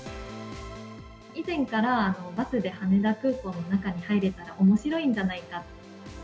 以前からバスで羽田空港の中に入れたらおもしろいんじゃないかと。